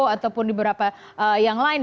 ataupun di beberapa yang lain